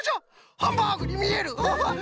ハンバーグにみえる！